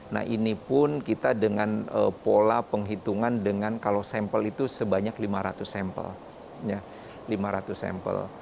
nah ini pun kita dengan pola penghitungan dengan kalau sampel itu sebanyak lima ratus sampel lima ratus sampel